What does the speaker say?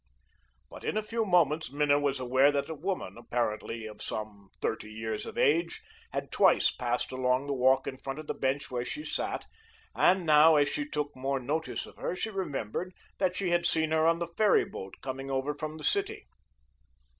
But in a few moments Minna was aware that a woman, apparently of some thirty years of age, had twice passed along the walk in front of the bench where she sat, and now, as she took more notice of her, she remembered that she had seen her on the ferry boat coming over from the city.